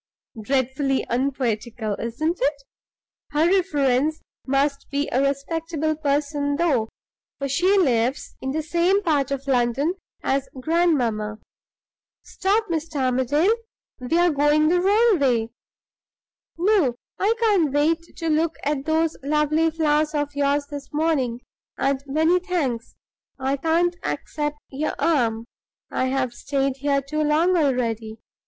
Dreadfully unpoetical, isn't it? Her reference must be a respectable person, though; for she lives in the same part of London as grandmamma. Stop, Mr. Armadale! we are going the wrong way. No; I can't wait to look at those lovely flowers of yours this morning, and, many thanks, I can't accept your arm. I have stayed here too long already.